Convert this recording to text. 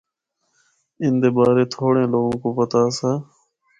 ان دے بارے تھوڑیاں لوگاں کو پتہ آسا۔